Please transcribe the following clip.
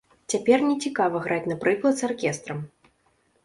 Цяпер не цікава граць, напрыклад, з аркестрам!